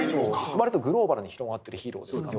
割とグローバルに広がってるヒーローですからね。